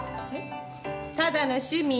ただの趣味よ。